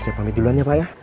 saya pamit duluan ya pak ya